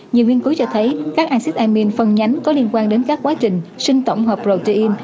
nhiều nghiên cứu cho thấy các acid amine phân nhánh có liên quan đến các quá trình sinh tổng hợp protein